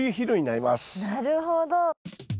なるほど。